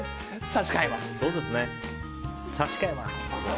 差し替えます！